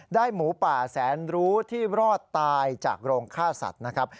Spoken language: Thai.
หมูป่าแสนรู้ที่รอดตายจากโรงฆ่าสัตว์นะครับ